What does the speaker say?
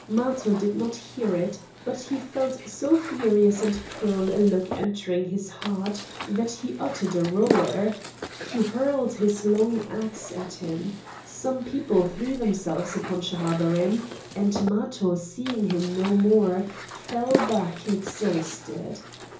Matho did not hear it; but he felt so furious and cruel a look entering his heart that he uttered a roar. He hurled his long axe at him; some people threw themselves upon Schahabarim; and Matho seeing him no more fell back exhausted.